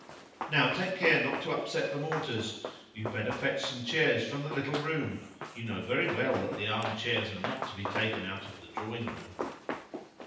"Now, take care not to upset the mortars! You'd better fetch some chairs from the little room; you know very well that the arm chairs are not to be taken out of the drawing room."